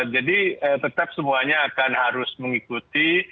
jadi tetap semuanya akan harus mengikuti